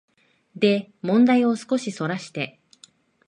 で問題を少しそらして、